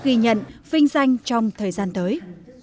ghi nhận vinh danh trong thời gian tới